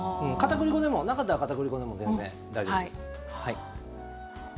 なかったらかたくり粉でもいいです。